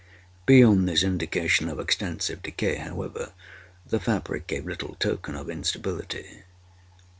Beyond this indication of extensive decay, however, the fabric gave little token of instability.